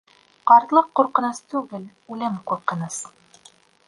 Ҡартлыҡ ҡурҡыныс түгел, үлем ҡурҡыныс.